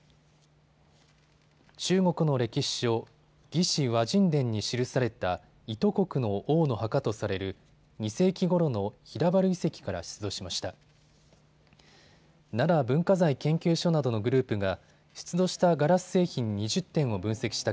中国の歴史書、魏志倭人伝に記された伊都国の王の墓とされる２世紀ごろの平原遺跡から出土しました。